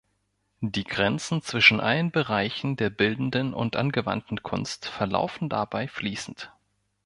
Die Grenzen zwischen allen Bereichen der bildenden und angewandten Kunst verlaufen dabei fließend.